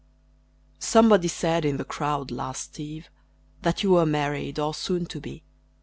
Somebody said, in the crowd, last eve, That you were married, or soon to be.